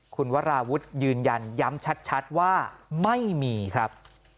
คุณวราวุฒิยืนยันย้ำชัดว่าไม่มีครับ